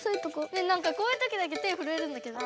ねえなんかこういうときだけ手ふるえるんだけど。